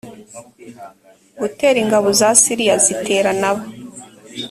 gutera ingabo za siriya zitera nabo